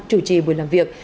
chủ trì buổi làm việc